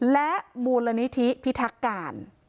และมูลนิธิพิทักการ